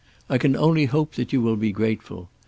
I can only hope that you will be grateful.